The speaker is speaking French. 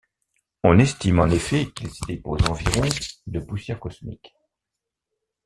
On estime en effet qu'il s'y dépose environ de poussière cosmique.